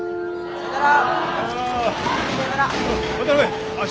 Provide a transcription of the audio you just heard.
さよなら。